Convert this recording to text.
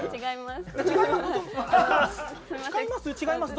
「違います」？